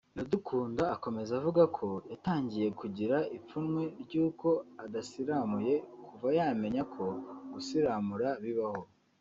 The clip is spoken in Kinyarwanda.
Iradukunda akomeza avuga ko yatangiye kugira ipfunwe ry’uko adasiramuye kuva yamenya ko gusiramura bibaho